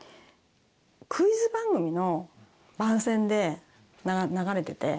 クイズ番組の番宣で流れてて。